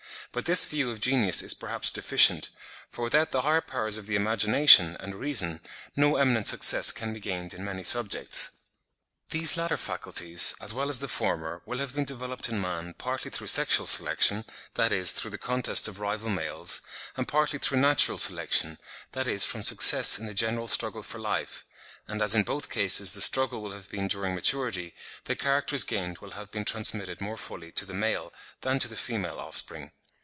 But this view of genius is perhaps deficient; for without the higher powers of the imagination and reason, no eminent success can be gained in many subjects. These latter faculties, as well as the former, will have been developed in man, partly through sexual selection,—that is, through the contest of rival males, and partly through natural selection, that is, from success in the general struggle for life; and as in both cases the struggle will have been during maturity, the characters gained will have been transmitted more fully to the male than to the female offspring.